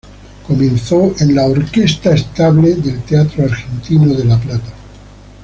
Comenzó en la Orquesta Estable del Teatro Argentino de La Plata.